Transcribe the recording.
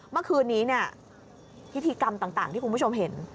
เมื่อคืนนี้เนี่ยพิธีกรรมต่างที่คุณผู้ชมเห็น